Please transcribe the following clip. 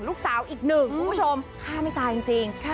ลูกสาวอีกหนึ่งคุณผู้ชมฆ่าไม่ตายจริง